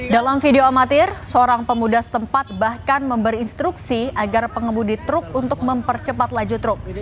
dalam video amatir seorang pemuda setempat bahkan memberi instruksi agar pengemudi truk untuk mempercepat laju truk